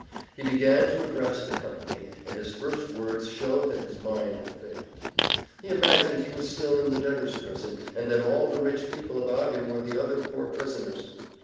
He began to address the company, and his first words showed that his mind had failed. He imagined he was still in the debtors' prison and that all the rich people about him were the other poor prisoners.